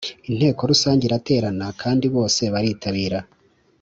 inteko Rusange iraterana kandi bose baritabira